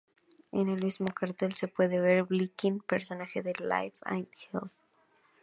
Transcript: En el mismo cartel se puede ver a Blinky, personaje de "Life in Hell".